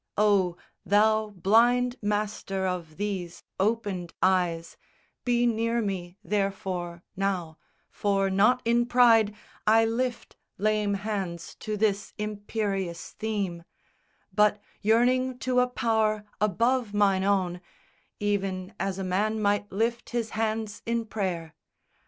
Oh, thou blind master of these opened eyes Be near me, therefore, now; for not in pride I lift lame hands to this imperious theme; But yearning to a power above mine own Even as a man might lift his hands in prayer.